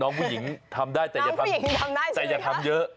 น้องผู้หญิงทำได้แต่อย่าทำเยอะ